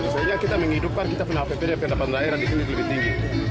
sehingga kita menghidupkan kita punya hppd yang dapat daerah di sini lebih tinggi